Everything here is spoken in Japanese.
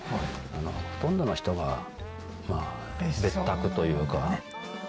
ほとんどの人が、別宅というか。